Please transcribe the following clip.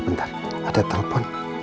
nanti lu tujuh puluh lima